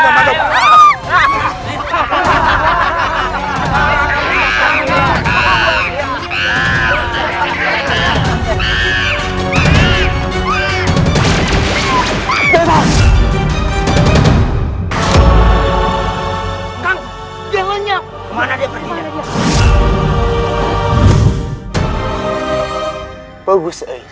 ini akan umbang